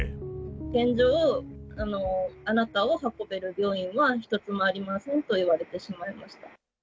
現状、あなたを運べる病院は、一つもありませんと言われてしまいました。